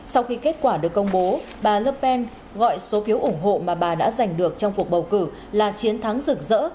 sau khi kết quả được công bố bà lupen gọi số phiếu ủng hộ mà bà đã giành được trong cuộc bầu cử là chiến thắng rực rỡ